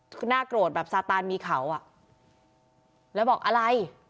หน้ากรวดแบบสาตานมีเขาอ่ะแล้วบอกอะไร